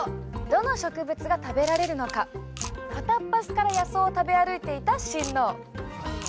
どの植物が食べられるのか片っ端から野草を食べ歩いていた神農。